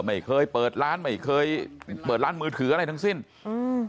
ไม่เคยเปิดร้านไม่เคยเปิดร้านมือถืออะไรทั้งสิ้นอืม